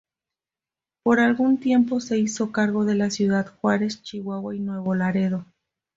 Por algún tiempo se hizo cargo de Ciudad Juárez, Chihuahua y Nuevo Laredo.